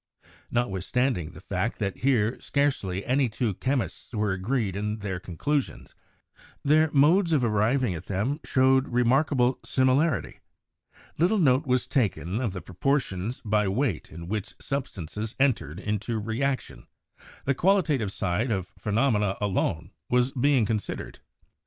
Notwithstanding the fact that here scarcely any two chemists were agreed in their conclusions, their modes of arriving at them showed remarkable similarity. Little note was taken of the proportions by weight in which sub stances entered into reaction, the qualitative side of phenomena alone being considered.